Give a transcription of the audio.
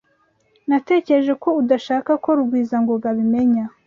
Natekereje ko udashaka ko Rugwizangoga abimenya.